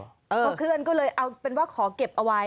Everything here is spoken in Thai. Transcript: เพราะเคลื่อนก็เลยเอาเป็นว่าขอเก็บเอาไว้